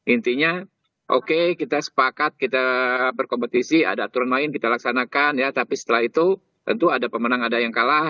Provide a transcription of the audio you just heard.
intinya oke kita sepakat kita berkompetisi ada aturan main kita laksanakan ya tapi setelah itu tentu ada pemenang ada yang kalah